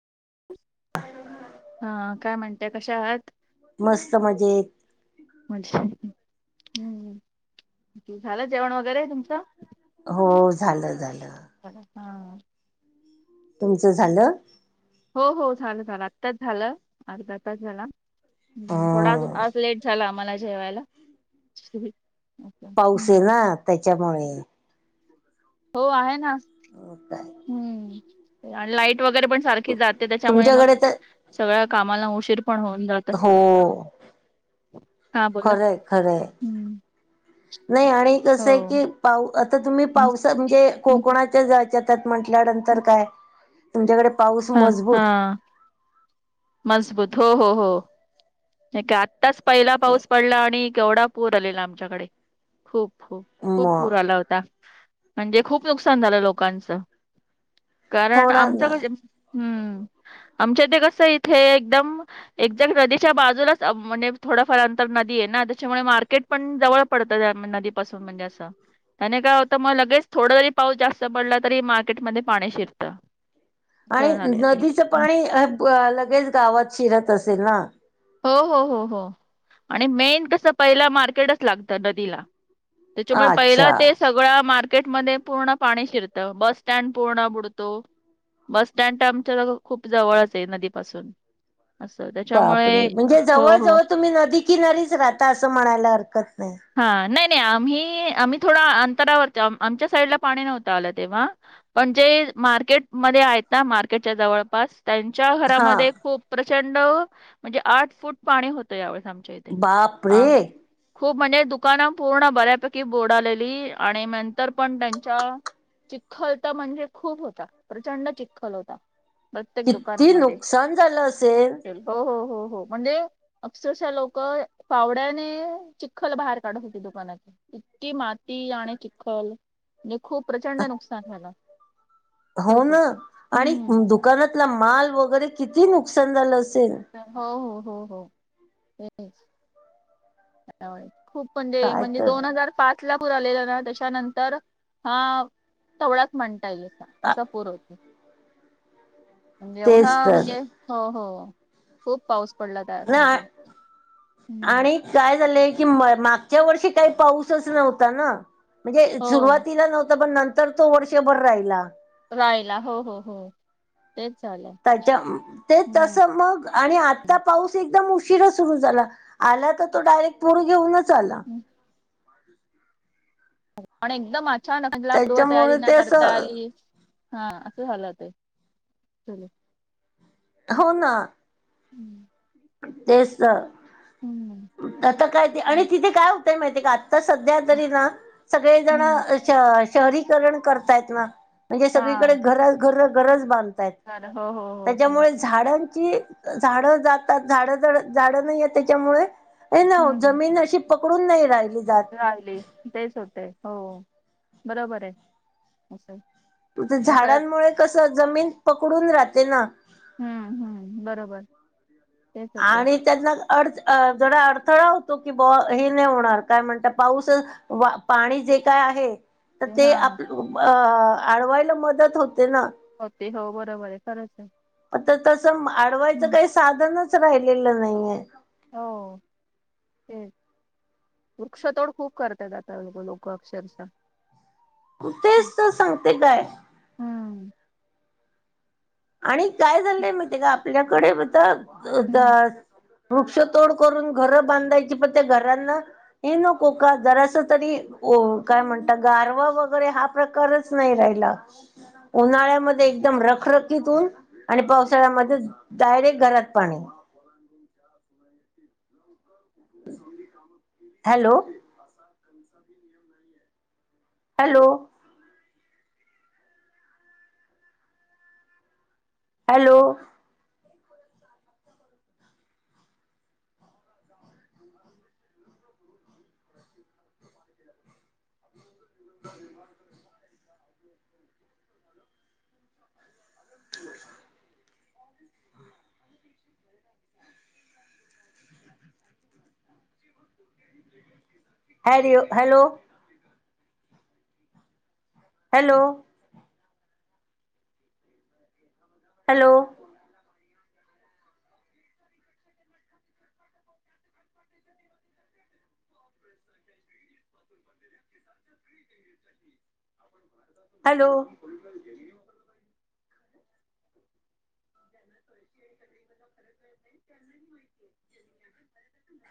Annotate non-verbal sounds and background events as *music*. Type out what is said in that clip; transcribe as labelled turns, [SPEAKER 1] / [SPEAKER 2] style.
[SPEAKER 1] *inaudible*
[SPEAKER 2] हा काय म्हणते कशा आहात
[SPEAKER 1] मस्त मजेत
[SPEAKER 2] मजेत हू झालं जेवण वगैरे तुमचं
[SPEAKER 1] हो झालं झालं
[SPEAKER 2] झालं कां
[SPEAKER 1] तुमचं झालं
[SPEAKER 2] हो हो चालं लं आत्ताचं झालं अर्ध आताचं झालां थोडां
[SPEAKER 1] हम्म
[SPEAKER 2] आंज लेटं झालं आम्हांला जेवांयला
[SPEAKER 1] पाऊस आहे नां त्यांच्यामुळे
[SPEAKER 2] हो आहे नां
[SPEAKER 1] हो कायं
[SPEAKER 2] हम्मं आणि लाईट वगैरें पणं सारखी जाते त्यांच्यामुळे मंग
[SPEAKER 1] तुमच्याकडे तर
[SPEAKER 2] सगळ्यां कामांला उशीर पणं होऊंन जातो
[SPEAKER 1] हो
[SPEAKER 2] हा बोला
[SPEAKER 1] खरं खरं
[SPEAKER 2] हम्म
[SPEAKER 1] नाहीं आणि
[SPEAKER 2] हो
[SPEAKER 1] कसं आहे की पाव आंता तुम्हीं
[SPEAKER 2] हम्म,
[SPEAKER 1] पावसान म्हणजे
[SPEAKER 2] हम्म,
[SPEAKER 1] कोकणांच्या जांच्या म्हंल्यानंतर कायं तुमच्यांकडे पाऊस
[SPEAKER 2] हां
[SPEAKER 1] मजबूत
[SPEAKER 2] हां मजबूंत हो हो हो एक आत्ताचं पहिला पाऊस पडलां आणि केवढां पूंर आलेला आमल्यांकडे खूंप खूंप
[SPEAKER 1] म
[SPEAKER 2] खूंप पूंर आंला होतां म्हणजे खूंप नुकसांन झालं लोकांचं कारणं
[SPEAKER 1] होणार
[SPEAKER 2] आमचं
[SPEAKER 1] ना
[SPEAKER 2] म्हणजे हम्मं आमच्या इथे ते कसं इथे एकदंम एक्झॅक्ट नदीच्या बाजूंलाचं म्हणजे थोडंफार अंतर नदी आहे नां त्यांच्यामुळे मार्केट पणं जवळं पडतं नदीपासूंन म्हणजे असं आणि कायं होतं मंग लगेच थोडां जरी पाऊस जास्तं पडला तरी मार्केटमध्यें पाणी शिरतं
[SPEAKER 1] आणि
[SPEAKER 2] असं झालंय ते.
[SPEAKER 1] नदीचं
[SPEAKER 2] हं.
[SPEAKER 1] पाणी लगेचं गावांत शिरतं असेल नां
[SPEAKER 2] हो हो हो हो आणि मेन कसं पहिलं मार्केटचं लागतं नदीला त्यांच्यामुळे पहिला
[SPEAKER 1] अच्छा
[SPEAKER 2] ते सगळ्यां मार्केटमध्यें पूर्ण पाणी शिरतं बसं स्टँड पूर्ण बुडतो बसं स्टँड तरं आमच्यां खूंप जवळचं आहे नदीपासूंन असं
[SPEAKER 1] बापरे
[SPEAKER 2] त्यांच्यामुळे
[SPEAKER 1] म्हणजे जवळं जवळं तुम्हीं नदी किनारीचं राहतां असं म्हणांयला हरकंत नाहीं
[SPEAKER 2] हां नाहीं नाहीं आम्हीं थोडां अंतरावर आमच्या साईडला पाणी आलं तेव्हां पणं जे मार्केट मध्यें आहे नां मार्केटच्या जवळं पास त्यांच्या
[SPEAKER 1] हा
[SPEAKER 2] घरांमध्ये खूंप प्रचंड अं म्हणजे आंठ फूंट पाणी होतं यावे सं.
[SPEAKER 1] बापरे.
[SPEAKER 2] म्हणजे दुकानं पूर्ण बऱ्यांपैकी बोर्ड आलेली आणि नंतर पणं त्यांच्या. चिखलंत म्हणजे खूंप होतां प्रचंड चिखलं होतां.
[SPEAKER 1] किती नुकसांन झालं असेल?
[SPEAKER 2] हो हो हो हो म्हणजे अक्षंरशा लोकं पावड्यांने चं. चिखलं बाहेर काढतं होती दुकानांची चिक्की माती आणि चिखलं. ते खूंप प्रचंड नुकसांन झालं.
[SPEAKER 1] हो
[SPEAKER 2] खूपच
[SPEAKER 1] नां आणि
[SPEAKER 2] हम्म.
[SPEAKER 1] दुकानांतला मालं वगैरें किती नुकसांन झालं असेल.
[SPEAKER 2] हो हो हो हो तेचं. त्यां खूंप म्हणजे
[SPEAKER 1] काय
[SPEAKER 2] म्हणजे
[SPEAKER 1] तर
[SPEAKER 2] दोन हजांर. पांच लां पुंर आलेला नां त्यांच्यानंतर हां तवळांच म्हणतां येईल.
[SPEAKER 1] आ-
[SPEAKER 2] असं पूंर होतं म्हणजे
[SPEAKER 1] तेच
[SPEAKER 2] एवढां
[SPEAKER 1] तर
[SPEAKER 2] म्हणजे हो हो. खूंप पाऊस पडलां त्यांत हम्मं.
[SPEAKER 1] कायं झालंय की मागच्यां वर्षी कांहीं पाऊसचं नव्हतां नां. म्हणजे
[SPEAKER 2] हो
[SPEAKER 1] सुरुवांतीला नव्हतं पणं नंतर तो वर्षभरं राहिला.
[SPEAKER 2] रायला हो हो हो. तेच झालंय.
[SPEAKER 1] त्याच्या ते तसं मग आणि आत्ता पाऊस एकदम उशिरा सुरू झाला, आला तर तो डायरेक्ट पुर घेऊनच आला.
[SPEAKER 2] आणि एकदम अचाानक आला पूर्व तयारी
[SPEAKER 1] त्याच्यामुळे ते
[SPEAKER 2] नाही
[SPEAKER 1] असं
[SPEAKER 2] करता आली. हा असं झालं ते सगळं.
[SPEAKER 1] हो ना
[SPEAKER 2] हं.
[SPEAKER 1] तेच आता काय ते आणि तिथे काय होतय माहितीय का आ. आता सध्या तरी ना, सगळे
[SPEAKER 2] हम्म
[SPEAKER 1] जणं शहरीकरण करतायत ना. म्हणजे सगळीकडे
[SPEAKER 2] हा
[SPEAKER 1] घर घर घरज बांधतायत,
[SPEAKER 2] झालं हो हो हो हो
[SPEAKER 1] त्याच्यामुळं झाडांची झाडं जातात, झाडं झाडं नाहीय त्याच्यामुळे अय ना ओ जमीन अशी पकडून नाही रायली जात.
[SPEAKER 2] जाते, तेच होतय, हो बरोबर आहे. या सगळ्यात
[SPEAKER 1] झाडांमुळे कसं जमीन पकडून राहते ना.
[SPEAKER 2] हम्म बरोबर. तेच होते
[SPEAKER 1] आणि त्यातन अड जरा अडथळा होतो की ब हे नाही होणार, काय म्हणता पाऊस पाणी जे काय आहे. तर ते आप अ आडवायला मदत होते ना.
[SPEAKER 2] होते हो बरोबर आहे. खरंच.
[SPEAKER 1] आता तसं अडवायचं
[SPEAKER 2] हम्म
[SPEAKER 1] काही साधनच राहिलेलं नाहीये.
[SPEAKER 2] हो तेच. वृक्षतोड खूप करतात आता लोकं अक्षरशः.
[SPEAKER 1] तेच तर सांगते काय.
[SPEAKER 2] हम्म
[SPEAKER 1] आणि काय झाललंय माई ते का आपल्याकडे
[SPEAKER 2] हम्म
[SPEAKER 1] तर. वृक्षतोड करून घरं बांधायची, पण त्या घरांना हे नको का जरास तरी ओ काय म्हणता, गारवा वगैरे हा प्रकारच नाही राहिला. उन्हाळ्यामध्ये एकदम रखरख ऊन आणि पावसाळ्यामध्ये डायरेक्ट घरात पाणी. *inaudible* Hello! *inaudible* Hello! Hello! *inaudible* *inaudible* Hello hello! Hello! Hello! *inaudible* *inaudible* *inaudible* Hello!